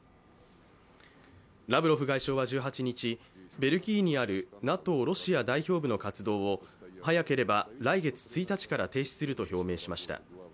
ラブロフ外相は１８日、ベルギーにあるＮＡＴＯロシア代表部の活動を早ければ来月１日から停止すると表明しました。